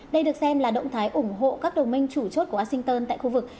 đây được xem là động thái ủng hộ các đồng minh chủ chốt của washington tại khu vực